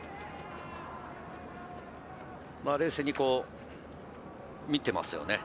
冷静に見ていますよね。